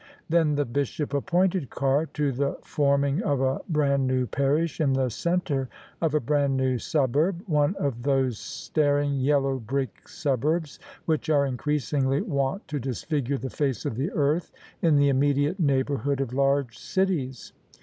Then the Bishop appointed Carr to the forming of a brand new parish in the centre of a brand new suburb — one of those staring, yellow brick suburbs which are increasingly wont to disfigure the face of the earth in the immediate neighbourhood of large cities.